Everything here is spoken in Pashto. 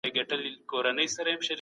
حقوق الله په هر ځای کي سته.